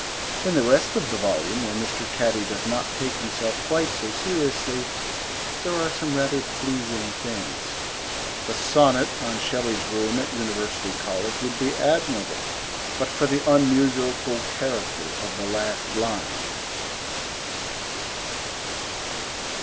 In the rest of the volume, where Mr. Catty does not take himself quite so seriously, there are some rather pleasing things. The sonnet on Shelley's room at University College would be admirable but for the unmusical character of the last line.